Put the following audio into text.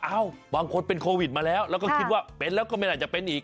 บางคนเป็นโควิดมาแล้วแล้วก็คิดว่าเป็นแล้วก็ไม่น่าจะเป็นอีก